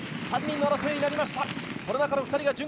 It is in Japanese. ３人の争いになりました。